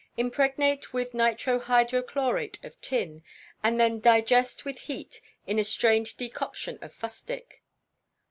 Impregnate with nitro hydrochlorate of tin, and then digest with heat in a strained decoction of fustic.